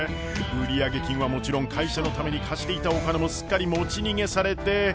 売上金はもちろん会社のために貸していたお金もすっかり持ち逃げされて。